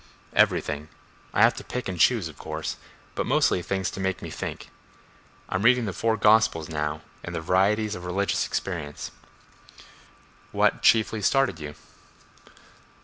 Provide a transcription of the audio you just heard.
"Everything. I have to pick and choose, of course, but mostly things to make me think. I'm reading the four gospels now, and the 'Varieties of Religious Experience.'" "What chiefly started you?"